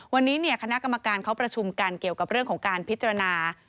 วันนี้คณะกรรมการเขาประชุมกันเกี่ยวกับเรื่องของการพิจารณา